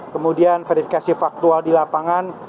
kemudian verifikasi faktual di lapangan